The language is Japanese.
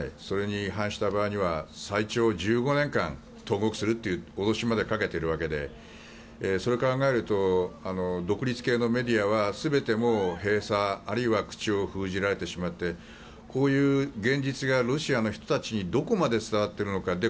それに違反した場合には最長１５年間投獄するという脅しまでかけているわけでそれを考えると独立系のメディアは全てもう閉鎖あるいは口を封じられてしまってこういう現実がロシアの人たちにどこまで伝わっているのか。